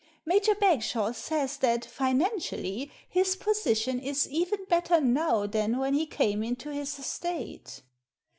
Major Bag shawe says that, financially, his position is even better now than when he came into his estate."